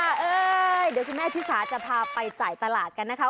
เดี๋ยวคุณแม่ชิสาจะพาไปจ่ายตลาดกันนะคะ